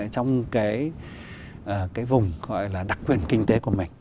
trong cái vùng gọi là đặc quyền kinh tế của mình